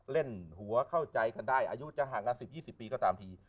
เล่นหัวเข้าใจกันได้อายุจะห่างกัน๑๐๒๐ปีก็ตามที